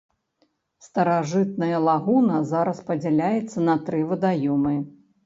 Старажытная лагуна зараз падзяляецца на тры вадаёмы.